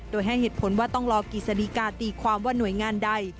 โดยให้เหตุผลว่าต้องรอกิจสดีกาตีความว่าหน่วยงานใด